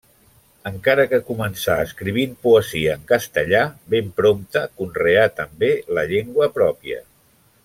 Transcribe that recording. Encara que començà escrivint poesia en castellà, ben prompte conreà també la llengua pròpia.